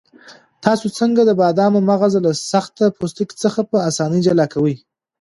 تاسو څنګه د بادامو مغز له سخت پوستکي څخه په اسانۍ جلا کوئ؟